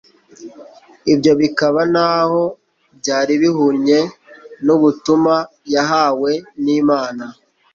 ibyo bikaba ntaho byari bihunye n'ubutuuma yahawe n'Imana.